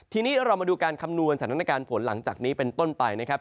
ทีนี้เรามาดูการคำนวณสถานการณ์ฝนหลังจากนี้เป็นต้นไปนะครับ